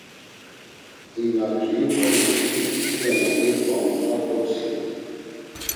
Him na ǩriu polisi, tude na zurt̆u a mutxa ǩotziru.